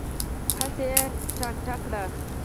هسې یې ټانټه کړه.